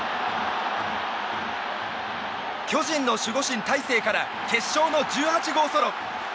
巨人の守護神、大勢から決勝の１８号ソロ！